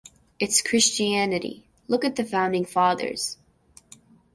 It's Christianity - look at the founding fathers!